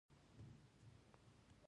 د صداقت درلودل د هر تجارت فخر دی.